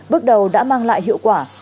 bước đầu đã mang lại hiệu quả